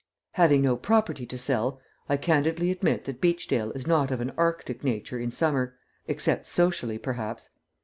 Having no property to sell, I candidly admit that Beachdale is not of an arctic nature in summer, except socially, perhaps.